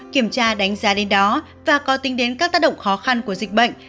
kiểm tra đánh giá đến đó và có tính đến các tác động khó khăn của dịch bệnh